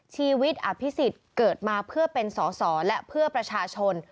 ชีวิตอภิษฎเกิดมาเพื่อเป็นสอสอและเพื่อประชาชน